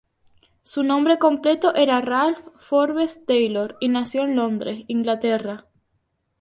Su nombre completo era Ralph Forbes Taylor, y nació en Londres, Inglaterra.